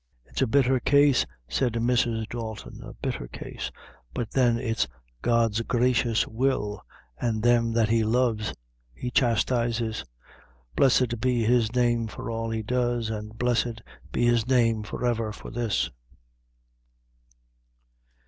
"It's a bitther case," said Mrs. Dalton; "a bitther case; but then it's God's gracious will, an' them that He loves He chastises. Blessed be His name for all He does, and blessed be His name ever for this!"